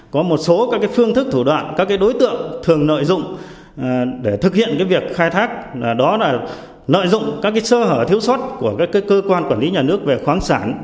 có một số các phương thức thủ đoạn các đối tượng thường nội dung để thực hiện việc khai thác đó là nội dung các sơ hở thiếu suất của cơ quan quản lý nhà nước về khoáng sản